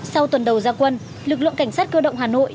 sau tuần đầu gia quân lực lượng cảnh sát cơ động hà nội